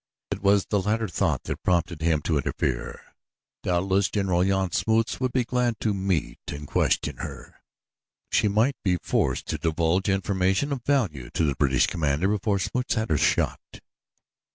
It was the latter thought that prompted him to interfere. Doubtless General Jan Smuts would be glad to meet and question her. She might be forced to divulge information of value to the British commander before Smuts had her shot.